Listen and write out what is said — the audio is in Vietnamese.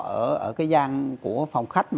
ở cái gian của phòng khách